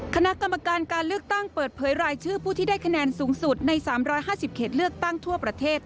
คณะกรรมการการเลือกตั้งเปิดเผยรายชื่อผู้ที่ได้คะแนนสูงสุดใน๓๕๐เขตเลือกตั้งทั่วประเทศ